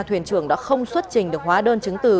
thuyền trưởng đã không xuất trình được hóa đơn chứng từ